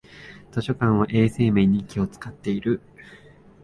図書館は衛生面に気をつかっている